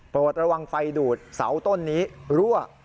ระวังไฟดูดเสาต้นนี้รั่ว